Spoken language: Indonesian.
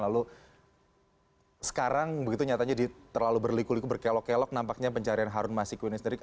lalu sekarang begitu nyatanya terlalu berliku liku berkelok kelok nampaknya pencarian harun masiku ini sendiri